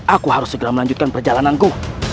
aku harus segera melanjutkan perjalananku